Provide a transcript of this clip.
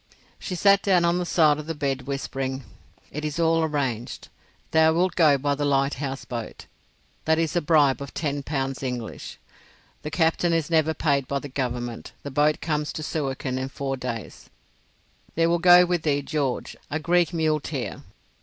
She sat down on the side of the bed whispering:—"It is all arranged. Thou wilt go by the lighthouse boat. That is a bribe of ten pounds English. The captain is never paid by the Government. The boat comes to Suakin in four days. There will go with thee George, a Greek muleteer.